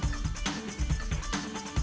menantikan vlog hari ini ditunjukkan oleh lestari